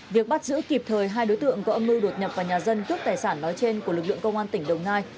việc bắt giữ kịp thời hai đối tượng có âm mưu đột nhập vào nhà dân cướp tài sản nói trên của lực lượng công an tỉnh đồng nai